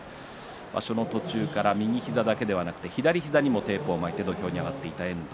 場所の途中から右膝だけではなく左膝にもテープを巻いて土俵に上がっていた遠藤。